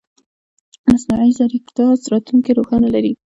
مصنوعي ځیرکتیا راتلونکې روښانه لري.